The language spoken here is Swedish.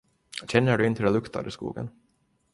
Känner du inte hur det luktar i skogen?